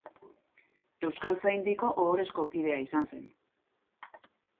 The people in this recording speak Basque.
Euskaltzaindiko ohorezko kidea izan zen.